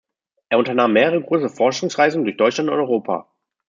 Er unternahm mehrere große Forschungsreisen durch Deutschland und Europa.